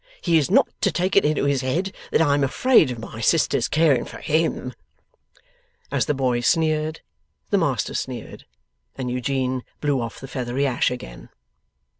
He is not to take it into his head that I am afraid of my sister's caring for HIM ' (As the boy sneered, the Master sneered, and Eugene blew off the feathery ash again.)